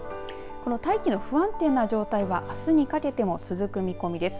この大気の不安定な状態はあすにかけても続く見込みです。